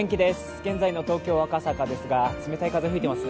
現在の東京・赤坂ですが冷たい風が吹いてますね。